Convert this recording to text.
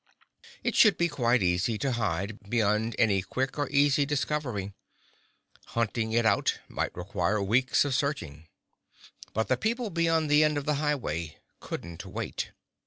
It should be quite easy to hide beyond any quick or easy discovery. Hunting it out might require weeks of searching. But the people beyond the end of the highway couldn't wait.